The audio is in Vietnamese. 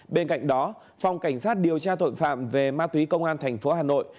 bên cạnh đó phòng cảnh sát điều tra tội phạm về ma túy công an thành phố hà nội